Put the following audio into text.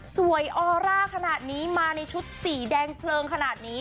ออร่าขนาดนี้มาในชุดสีแดงเพลิงขนาดนี้